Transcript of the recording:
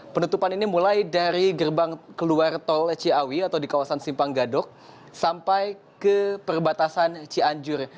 penutupan ini mulai dari gerbang keluar tol ciawi atau di kawasan simpang gadok sampai ke perbatasan cianjur